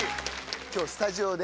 今日スタジオで。